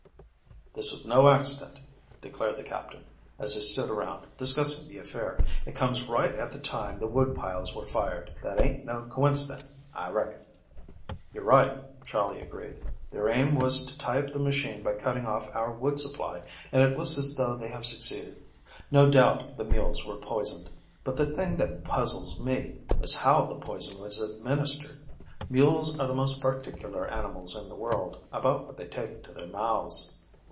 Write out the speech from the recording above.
"This was no accident," declared the Captain, as they stood around discussing the affair. "It comes right at the time the wood piles were fired. That ain't no coincident, I reckon." "You're right," Charley agreed. "Their aim was to tie up the machine by cutting off our wood supply, and it looks as though they have succeeded. No doubt the mules were poisoned, but the thing that puzzles me is how the poison was administered. Mules are the most particular animals in the world about what they take into their mouths."